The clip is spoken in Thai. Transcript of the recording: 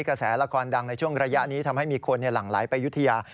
กระแสละครดังในช่วงระยะนี้ทำให้มีคนหลั่งไหลไปยุธยา